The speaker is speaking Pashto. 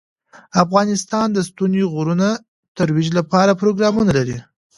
افغانستان د ستوني غرونه د ترویج لپاره پروګرامونه لري.